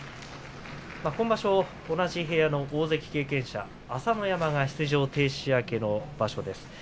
今場所は同じ部屋の大関経験者朝乃山が出場停止明けその場所です。